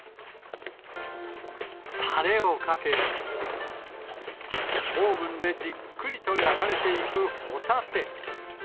たれをかけ、オーブンでじっくりと焼かれていくホタテ。